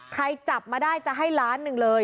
จับมาได้จะให้ล้านหนึ่งเลย